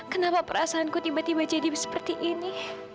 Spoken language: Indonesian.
kenapa perasaanku tiba tiba jadi seperti ini